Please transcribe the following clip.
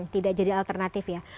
tidak jadi alternatif ya